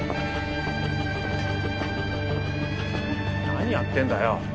何やってんだよ。